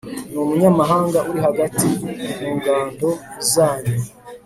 n umunyamahanga uri hagati mu ngando zanyu